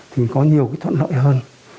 thì có nhiều cái thuận lợi hơn